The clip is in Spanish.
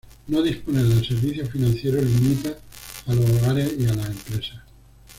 No disponer de servicios financieros limita a los hogares y a las empresas.